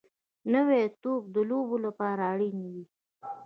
نوی توپ د لوبو لپاره اړین وي